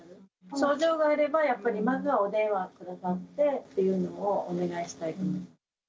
症状があれば、やっぱり、まずはお電話をくださってというのをお願いしたいと思います。